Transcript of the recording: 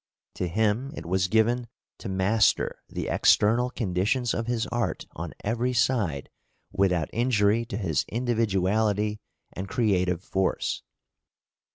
To him it was given to master the external conditions of his art on every side without injury to his individuality and creative force.